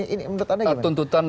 ini menurut anda gimana